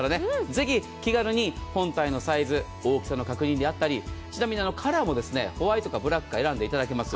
ぜひ気軽に本体のサイズ大きさの確認であったりちなみにカラーもホワイトかブラックか選んでいただけます。